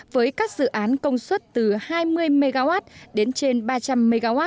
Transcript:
với các dự án công suất từ hai mươi mw đến trên ba trăm linh mw